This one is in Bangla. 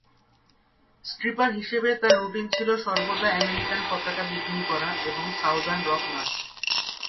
স্ট্রিপার হিসাবে তার রুটিন ছিল সর্বদা আমেরিকান পতাকা বিকিনি পরা এবং সাউদার্ন রক নাচ।